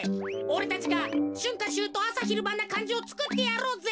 おれたちがしゅんかしゅうとうあさひるばんなかんじをつくってやろうぜ。